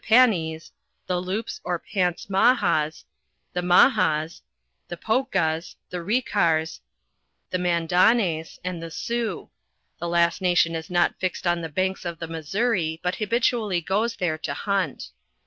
1 7 Panis, the loups or Pants Mahas, the Mahas, the Poukas, the Hicars, the Mandanes, and the Sioux; the last nation is not fixed on the banks of the Missouri, but habitually goes there to hunt.